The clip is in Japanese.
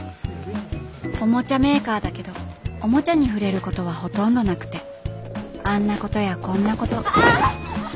おもちゃメーカーだけどおもちゃに触れることはほとんどなくてあんなことやこんなことああっ！